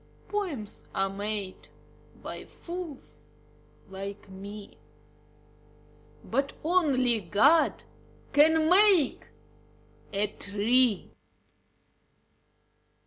Poems are made by fools like me, But only God can make a tree.